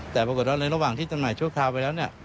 แต่ปรากฏว่าในระหว่างที่จำหน่ายชั่วคราวไปแล้วเนี่ย